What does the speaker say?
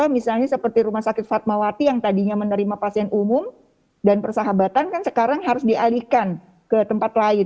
misalnya seperti rumah sakit fatmawati yang tadinya menerima pasien umum dan persahabatan kan sekarang harus dialihkan ke tempat lain